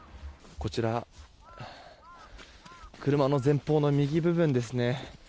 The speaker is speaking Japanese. こちら車の前方の右部分ですね。